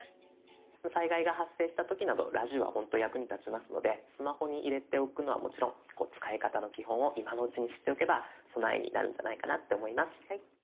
災害が発生した時などラジオはほんと役に立ちますのでスマホに入れておくのはもちろん使い方の基本を今のうちに知っておけば備えになるんじゃないかなって思います。